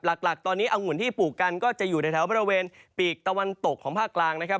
หลักตอนนี้อังุ่นที่ปลูกกันก็จะอยู่ในแถวบริเวณปีกตะวันตกของภาคกลางนะครับ